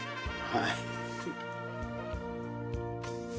はい。